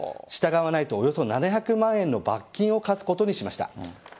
従わないとおよそ７００万円の罰金を科すことにしました。